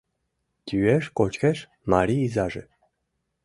Йӱэш-кочкеш Мари изаже